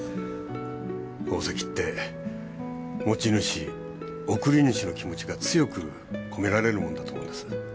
宝石って持ち主贈り主の気持ちが強く込められるものだと思うんです。